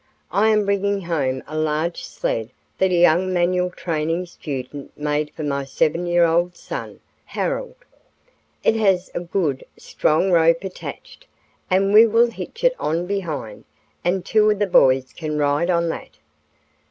I am bringing home a large sled that a young manual training student made for my seven year old son, Harold. It has a good, strong rope attached, and we will hitch it on behind, and two of you boys can ride on that."